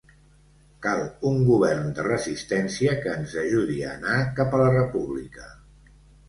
Cal un govern de resistència, que ens ajudi a anar cap a la república.